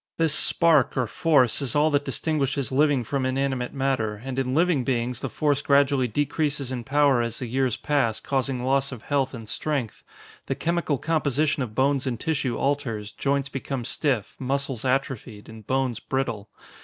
This spark or force is all that distinguishes living from inanimate matter, and in living beings the force gradually decreases in power as the years pass, causing loss of health and strength. The chemical composition of bones and tissue alters, joints become stiff, muscles atrophied, and bones brittle.